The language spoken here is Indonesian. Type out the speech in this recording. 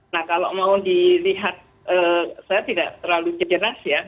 nah kalau mau dilihat saya tidak terlalu jelas ya